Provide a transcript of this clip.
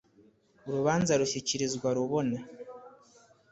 urubanza rushyikirizwa rubona